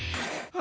あ！